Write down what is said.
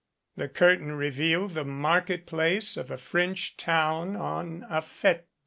The curtain revealed the market place of a French town on a fete day.